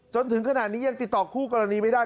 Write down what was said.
จนถึงขนาดนี้ยังติดต่อคู่กรณีไม่ได้